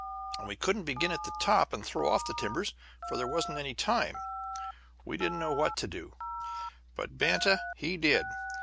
And we couldn't begin at the top and throw off the timbers, for there wasn't any time. We didn't know what to do, but Banta he did.